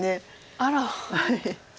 あら。